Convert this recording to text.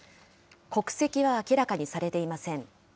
国籍は明らかにされていません。